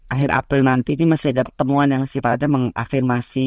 akhir april nanti ini masih ada temuan yang sifatnya mengafirmasi